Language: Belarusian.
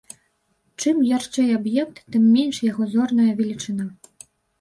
Чым ярчэй аб'ект, тым менш яго зорная велічыня.